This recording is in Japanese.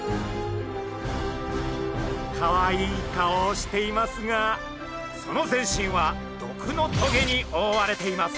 かわいい顔をしていますがその全身は毒の棘におおわれています。